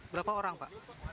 berapa orang pak